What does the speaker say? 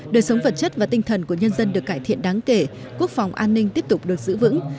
đời sống vật chất và tinh thần của nhân dân được cải thiện đáng kể quốc phòng an ninh tiếp tục được giữ vững